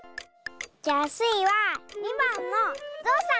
じゃあスイは２ばんのゾウさん！